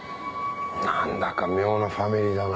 何だか妙なファミリーだな。